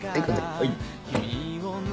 はい。